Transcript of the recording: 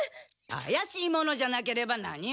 あやしい者じゃなければ何者？